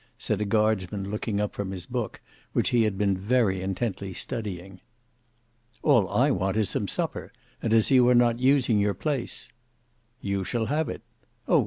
said a guardsman looking up from his book, which he had been very intently studying. "All I want is some supper, and as you are not using your place—" "You shall have it. Oh!